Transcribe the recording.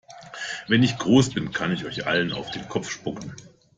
Wenn ich groß bin, kann ich euch allen auf den Kopf spucken!